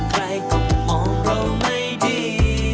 ใครก็มองเราไม่ดี